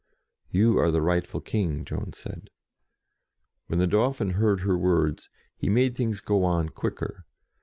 "You are the rightful King," Joan said. When the Dauphin heard her words, he made things go on quicker.